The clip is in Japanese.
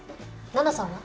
奈々さんは？